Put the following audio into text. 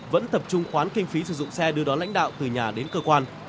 vẫn tập trung khoán kinh phí sử dụng xe đưa đón lãnh đạo từ nhà đến cơ quan